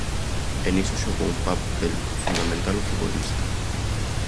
E niso xogou un papel fundamental o futbolista.